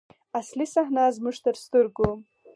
اصلي صحنه زموږ تر سترګو.